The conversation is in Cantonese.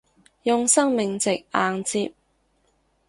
用生命值硬接